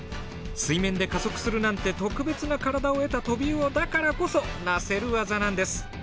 水面で加速するなんて特別な体を得たトビウオだからこそなせる技なんです。